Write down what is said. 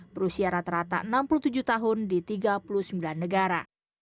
berusia rata rata enam puluh tujuh tahun di tiga puluh sembilan negara